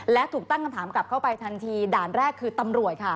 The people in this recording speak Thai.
และถูกตั้งคำถามกลับเข้าไปทันทีด่านแรกคือตำรวจค่ะ